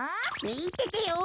みててよ。